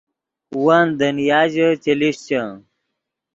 ون دنیا ژے چے لیشچے